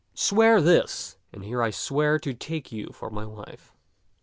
Swear this, and here I swear to take you for my wife."